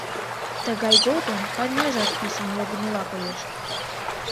Тыгай годым пырняжат писын йогымыла коеш.